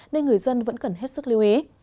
nên người dân vẫn cần hết sức lưu ý